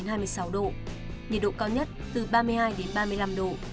nhiệt độ cao nhất từ ba mươi hai đến ba mươi năm độ